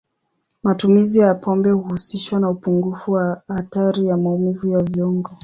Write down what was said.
Matumizi ya pombe huhusishwa na upungufu wa hatari ya maumivu ya viungo.